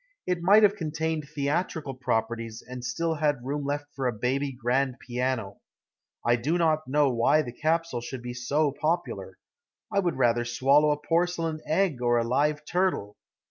It might have contained theatrical properties and still had room left for a baby grand piano. I do not know why the capsule should be so popular. I would rather swallow a porcelain egg or a live turtle.